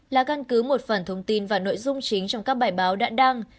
là căn cứ một phần thông tin và nội dung chính trong các bài báo đã đăng